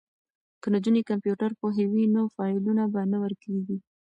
که نجونې کمپیوټر پوهې وي نو فایلونه به نه ورکیږي.